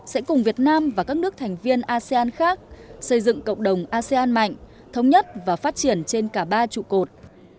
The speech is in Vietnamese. sẽ cùng việt nam và các nước thành viên asean khác xây dựng cộng đồng asean mạnh thống nhất và phát triển trên cả ba trụ cột